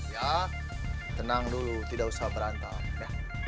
ya tenang dulu tidak usah berantem